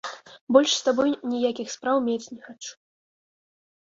Больш з табой ніякіх спраў мець не хачу.